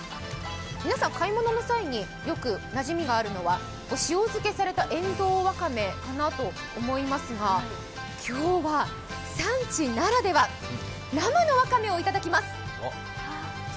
皆さん、買い物の際に良くなじみがあるのは塩漬けされた塩蔵わかめかなと思いますが、今日は産地ならでは、生のわかめを頂きます。